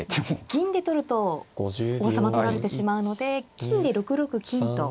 銀で取ると王様取られてしまうので金で６六金と。